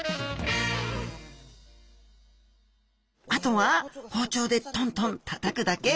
あとは包丁でトントン叩くだけ！